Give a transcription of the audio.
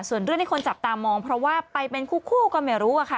ส่วนเรื่องที่คนจับตามองเพราะว่าไปเป็นคู่ก็ไม่รู้อะค่ะ